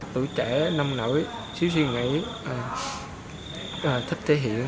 tuổi trẻ năm nổi trí suy nghĩ thích thể hiện